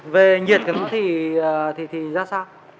về nhiệt của nó thì ra sao